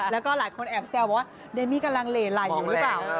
แล้วก็หลายคนแอบแซวว่าเดมี่กำลังเหลไหลอยู่หรือเปล่า